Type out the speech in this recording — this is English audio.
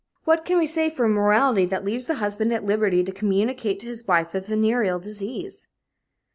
What can we say for a morality that leaves the husband at liberty to communicate to his wife a venereal disease?